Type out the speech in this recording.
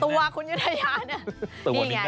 ตัวคุณยุทยาเนี่ย